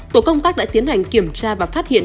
tổ công tác đã tiến hành kiểm tra và phát hiện